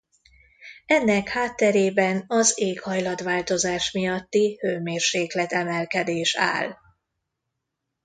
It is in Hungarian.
Ennek hátterében az éghajlatváltozás miatti hőmérséklet-emelkedés áll.